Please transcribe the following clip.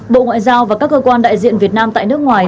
bộ ngoại giao và các cơ quan đại diện việt nam tại nước ngoài